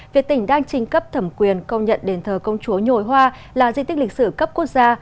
việc tỉnh đang trình cấp thẩm quyền công nhận đền thờ công chúa nhồi hoa là di tích lịch sử cấp quốc gia